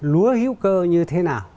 lúa hữu cơ như thế nào